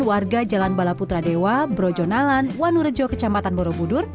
warga jalan bala putra dewa brojonalan wanurejo kecamatan borobudur